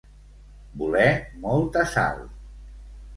Voler molta sal.